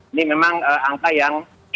ini memang angka yang